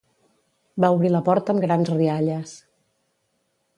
Va obrir la porta amb grans rialles.